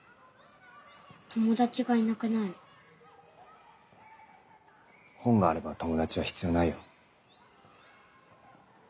友達がいなくなる本があれば友達は必要ないよ。